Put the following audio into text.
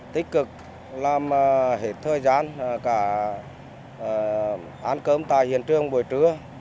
tích cực làm hết thời gian cả ăn cơm tại hiện trường buổi trưa